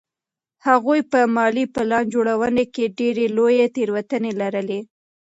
هغوی په مالي پلان جوړونه کې ډېرې لویې تېروتنې لرلې.